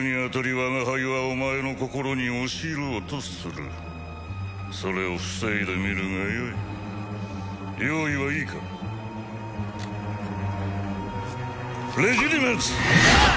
我が輩はお前の心に押し入ろうとするそれを防いでみるがよい用意はいいかレジリメンス！